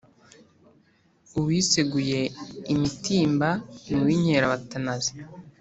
uwiseguye imitimba ni uw'inkerabatanazi,